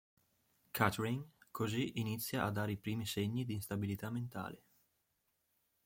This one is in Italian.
Katherine così inizia a dare i primi segni di instabilità mentale.